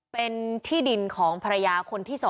เป็นที่ดินของภรรยาคนที่๒